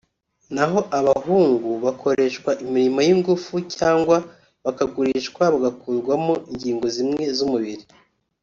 naho abahungu bakoreshwa imirimo y’ingufu cyangwa bakagurishwa bagakurwamo ingingo zimwe z’umubiri